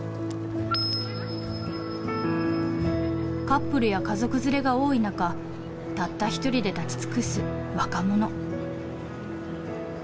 カップルや家族連れが多い中たった一人で立ち尽くす若者。